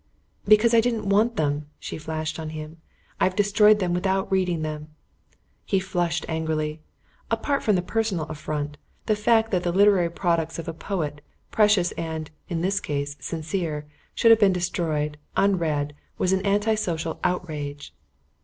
"Because I didn't want them," she flashed on him: "I've destroyed them without reading them." He flushed angrily. Apart from the personal affront, the fact that the literary products of a poet, precious and, in this case, sincere, should have been destroyed, unread, was an anti social outrage.